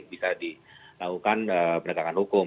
bisa dilakukan penegakan hukum